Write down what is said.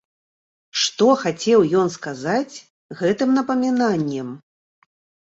Што хацеў ён сказаць гэтым напамінаннем?